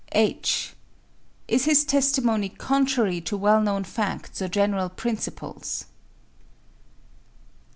(h) Is his testimony contrary to well known facts or general principles?